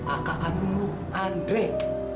akak kandung lu andrei